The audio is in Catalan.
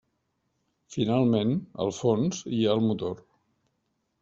Finalment, al fons, hi ha el motor.